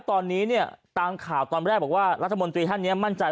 ตอนนี้เนี่ยตามข่าวตอนแรกบอกว่ารัฐมนตรีท่านนี้มั่นใจ